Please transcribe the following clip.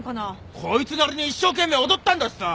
こいつなりに一生懸命踊ったんだしさ。